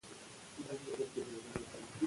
افغانستان کې کابل د چاپېریال د تغیر نښه ده.